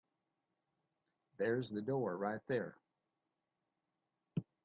There's the door right there.